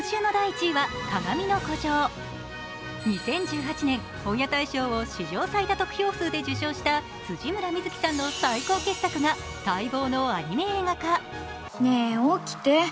２０１８年、本屋大賞を史上最多得票数で受賞した辻村深月さんの最高傑作が待望のアニメ映画化。